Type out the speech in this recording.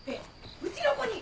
うちの子に！